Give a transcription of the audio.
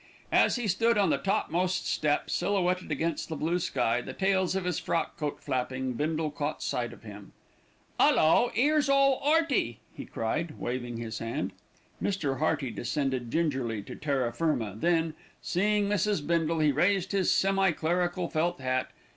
As he stood on the topmost step, silhouetted against the blue sky, the tails of his frock coat flapping, Bindle caught sight of him. "'Ullo, 'ere's old 'Earty!" he cried, waving his hand. Mr. Hearty descended gingerly to terra firma, then, seeing Mrs. Bindle, he raised his semi clerical felt hat.